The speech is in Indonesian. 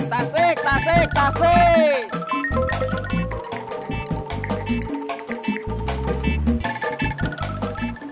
tasik tasik tasik